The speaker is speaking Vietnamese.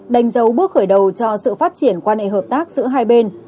đánh dấu bước khởi đầu cho sự phát triển quan hệ hợp tác giữa hai bên